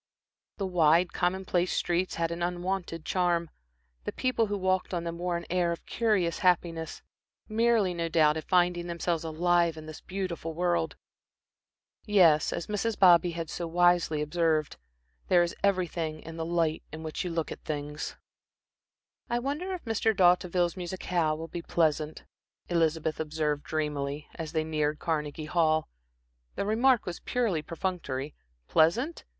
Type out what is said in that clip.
The wide, commonplace streets had an unwonted charm, the people who walked on them wore an air of curious happiness, merely, no doubt, at finding themselves alive in this beautiful world. Yes, as Mrs. Bobby had so wisely observed, "there is everything in the light in which you look at things." "I wonder if Mr. D'Hauteville's musicale will be pleasant," Elizabeth observed dreamily, as they neared Carnegie Hall. The remark was purely perfunctory. Pleasant?